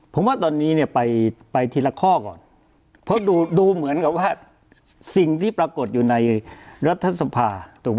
ผมว่าตอนนี้เนี่ยไปทีละข้อก่อนเพราะดูเหมือนกับว่าสิ่งที่ปรากฏอยู่ในรัฐสภาถูกไหม